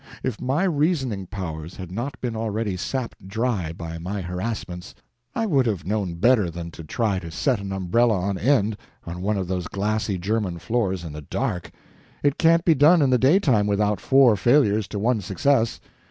If my reasoning powers had not been already sapped dry by my harassments, I would have known better than to try to set an umbrella on end on one of those glassy German floors in the dark; it can't be done in the daytime without four failures to one success.